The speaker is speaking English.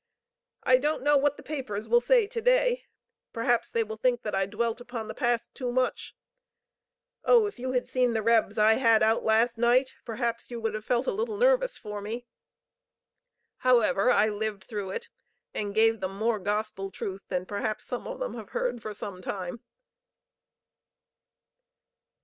I don't know what the papers will say to day; perhaps they will think that I dwelt upon the past too much. Oh, if you had seen the rebs I had out last night, perhaps you would have felt a little nervous for me. However, I lived through it, and gave them more gospel truth than perhaps some of them have heard for some time.